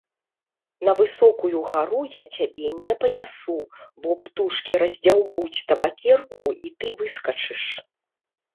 На высокую гару я цябе не панясу, бо птушкі раздзяўбуць табакерку, і ты выскачыш.